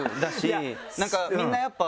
なんかみんなやっぱ。